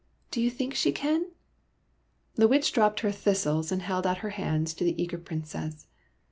Do you think she can ?" The Witch dropped her thistles and held out her hands to the eager Princess.